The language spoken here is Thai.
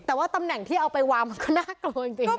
แต่ว่าตำแหน่งที่เอาไปวางมันก็น่ากลัวจริง